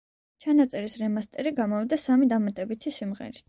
ჩანაწერის რემასტერი გამოვიდა სამი დამატებითი სიმღერით.